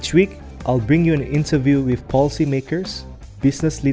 setiap minggu saya akan membawakan anda menjelaskan dengan pembuat kebijakan